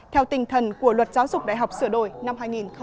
theo tinh thần của luật giáo dục đại học sửa đổi năm hai nghìn một mươi chín